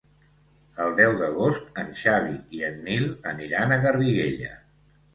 El deu d'agost en Xavi i en Nil aniran a Garriguella.